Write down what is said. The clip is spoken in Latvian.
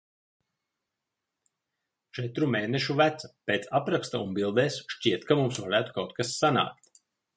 Četru mēnešu veca. Pēc apraksta un bildēs šķiet, ka mums varētu kaut kas sanākt.